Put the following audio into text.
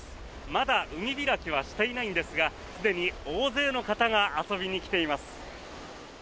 まだ海開きはしてないんですがすでに大勢の方が遊びに来ています。